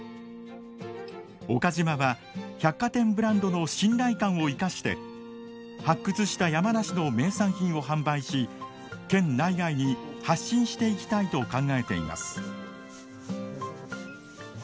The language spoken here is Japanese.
岡島は百貨店ブランドの信頼感を生かして発掘した山梨の名産品を販売し県内外に発信していきたいと考えています。